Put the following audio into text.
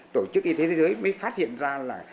tổ chức y tế thế giới mới phát hiện ra là